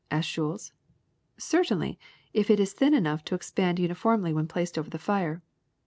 '' asked Jules. ^^ Certainly, if it is thin enough to expand uni formly when placed over the fire.